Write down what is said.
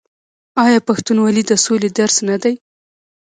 آیا پښتونولي د سولې درس نه دی؟